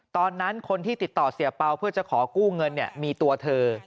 ตอนนั้นคนที่ติดต่อเสียเปล่าเพื่อจะขอกู้เงินมีตัวเธอ